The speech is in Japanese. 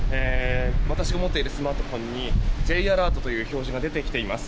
私が持っているスマートフォンにＪアラートという表示が出てきています。